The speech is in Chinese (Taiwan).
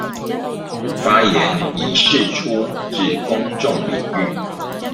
發言以釋出至公眾領域